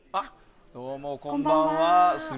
どうもこんばんは。